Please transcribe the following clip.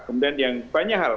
kemudian yang banyak hal